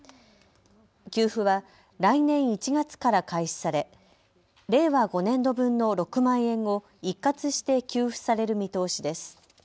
給付は来年１月から開始され令和５年度分の６万円を一括して給付される見通しです。